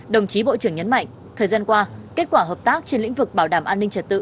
đồng chí bộ trưởng nhấn mạnh thời gian qua kết quả hợp tác trên lĩnh vực bảo đảm an ninh trật tự